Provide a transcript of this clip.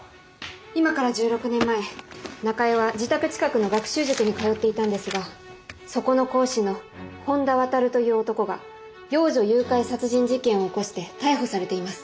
今から１６年前中江は自宅近くの学習塾に通っていたんですがそこの講師の本田亘という男が幼女誘拐殺人事件を起こして逮捕されています。